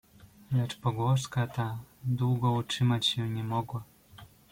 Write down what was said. "Lecz pogłoska ta długo utrzymać się nie mogła."